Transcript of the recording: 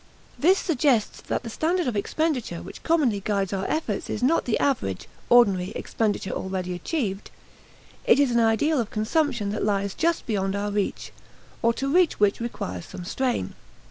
This suggests that the standard of expenditure which commonly guides our efforts is not the average, ordinary expenditure already achieved; it is an ideal of consumption that lies just beyond our reach, or to reach which requires some strain.